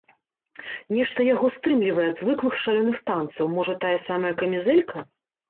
Нешта яго стрымлівае ад звыклых шалёных танцаў, можа, тая самая камізэлька?